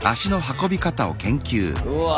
うわ。